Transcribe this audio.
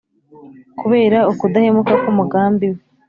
Kubera ukudahemuka k’umugambi we,